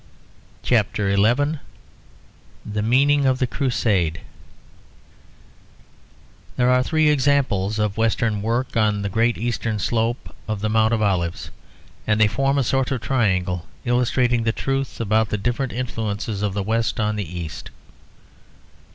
CHAPTER XI THE MEANING OF THE CRUSADE There are three examples of Western work on the great eastern slope of the Mount of Olives; and they form a sort of triangle illustrating the truth about the different influences of the West on the East.